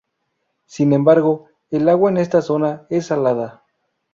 Sin embargo, el agua en esta zona es salada.